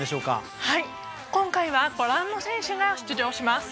はい今回はご覧の選手が出場します。